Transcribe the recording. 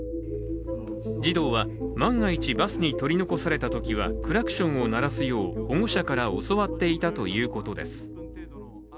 児童は万が一バスに取り残されたときはクラクションを鳴らすよう保護者から教わっていたということです。